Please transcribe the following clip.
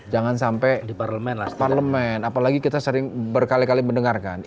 jangan sampai di parlemen apalagi kita sering berkali kali mendengarkan